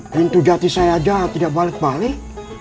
pintu jati saya aja tidak balik balik